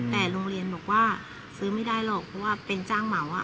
แต่โรงเรียนบอกว่าซื้อไม่ได้หรอกเพราะว่าเป็นจ้างเหมา